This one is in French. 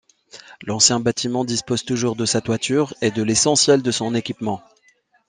L'ancien bâtiment dispose toujours de sa toiture et de l'essentiel de son équipement.